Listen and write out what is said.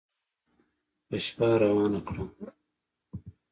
په شپه روانه کړه